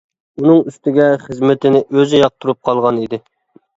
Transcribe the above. ئۇنىڭ ئۈستىگە خىزمىتىنى ئۆزى ياقتۇرۇپ قالغان ئىدى.